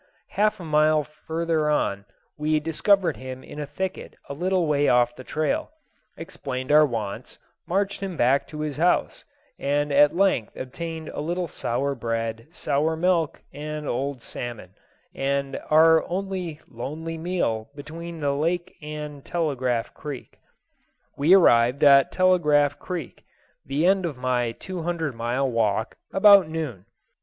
Half a mile farther on we discovered him in a thicket a little way off the trail, explained our wants, marched him back to his house, and at length obtained a little sour bread, sour milk, and old salmon, our only lonely meal between the Lake and Telegraph Creek. We arrived at Telegraph Creek, the end of my two hundred mile walk, about noon.